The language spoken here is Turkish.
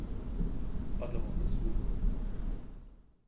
Adamımız bu.